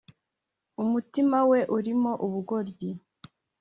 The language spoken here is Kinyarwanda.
Umutima we urimo ubugoryi